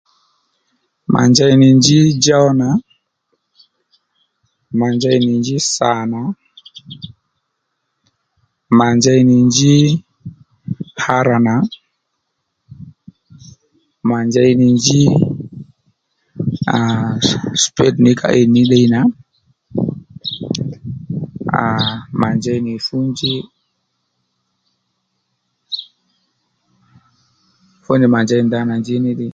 Mà njey nì njí djow nà, Mà njey nì njí sà nà, Mà njey nì njí hǎrà nà, mà njey nì njí aa spédì ní ka íy nì ní ddiy nà aa mà njey nì fú njí fú nì mà njey nì nda nà njí ddiy